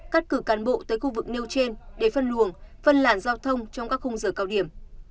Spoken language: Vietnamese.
cắt cử cán bộ tới khu vực nêu trên để phân luồng phân làn giao thông trong các khung giờ cao điểm